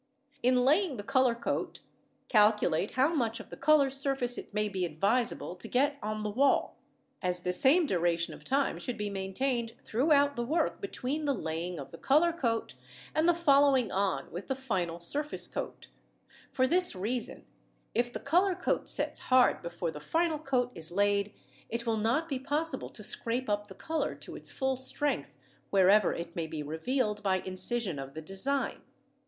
In laying the colour coat, calculate how much of the colour surface it may be advisable to get on the wall, as the same duration of time should be maintained throughout the work between the laying of the colour coat and the following on with the final surface coat for this reason, if the colour coat sets hard before the final coat is laid, it will not be possible to scrape up the colour to its full strength wherever it may be revealed by incision of the design.